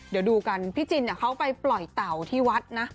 เดี๋ยวดูกันพี่จินเขาไปปล่อยเต่าที่วัดนะ